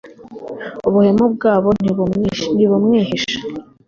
ubuhemu bwabo ntibumwihisha